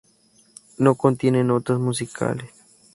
No contiene notas musicales.